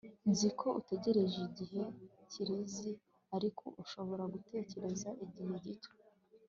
nzi ko utegereje igihe kirekire, ariko ushobora gutegereza igihe gito